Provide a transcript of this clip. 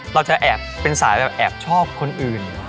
เราจะแอบเป็นสายแบบแอบชอบคนอื่น